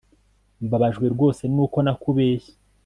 Mbabajwe rwose nuko nakubeshye